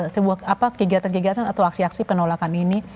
sebuah kegiatan kegiatan atau aksi aksi penolakan ini